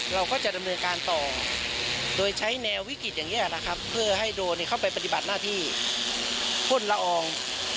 เราก็จะดำเนินการต่อโดยใช้แนววิกฤตอย่างนี้นะครับเพื่อให้โดรนเข้าไปปฏิบัติหน้าที่พ่นละออง